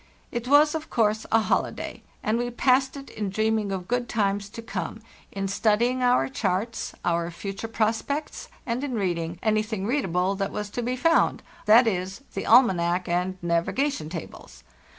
It was, of course, a holiday, and we passed it in dreaming of good times to come, in study ing our charts, our future prospects, and in reading any thing readable that was to be found—z. e, the almanac o the (2) and navigation tables.